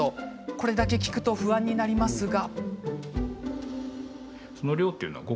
これだけ聞くと不安になりますが。